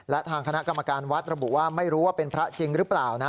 และทางคณะกรรมการวัดระบุว่าไม่รู้ว่าเป็นพระจริงหรือเปล่านะ